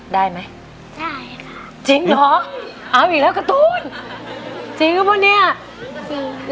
ได้ไหมได้ค่ะจริงเหรอเอาอีกแล้วการ์ตูนจริงหรือเปล่าเนี่ยจริง